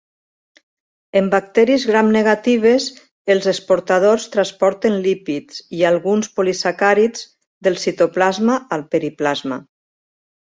En bacteris Gramnegatives, els exportadors transporten lípids i alguns polisacàrids del citoplasma al periplasma.